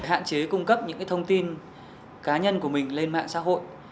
hạn chế cung cấp những thông tin cá nhân của mình lên mạng xã hội